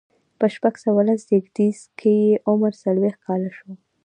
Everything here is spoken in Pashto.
په شپږ سوه لس زيږديز کې یې عمر څلوېښت کاله شو.